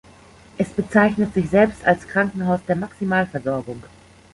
Es bezeichnet sich selbst als Krankenhaus der Maximalversorgung.